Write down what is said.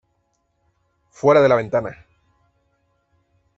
¡ Fuera de la ventana!